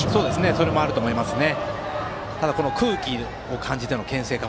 それもあると思いますね。